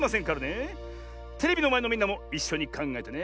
テレビのまえのみんなもいっしょにかんがえてね。